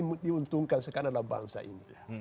yang diuntungkan sekarang adalah bangsa ini